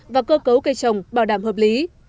và cơ cấu cây trồng bảo đảm hợp lý